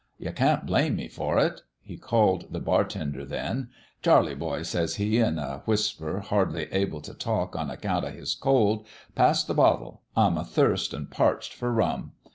You can't blame me for it.' He called the bartender, then. 'Charlie, boy, 1 says he, in a whisper, hardly able t' talk on account of his cold, ' pass the bottle. I'm athirst an' parched for rum.